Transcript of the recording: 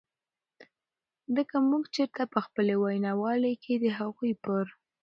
د که مونږ چرته په خپلې وینا والۍ کې د هغوئ پر